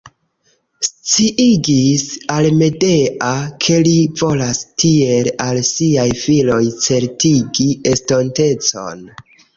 Sciigis al Medea, ke li volas tiel al siaj filoj certigi estontecon.